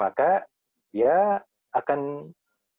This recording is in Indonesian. maka ya akan kemungkinan ada jendela yang berada di dalam ruangan tertutup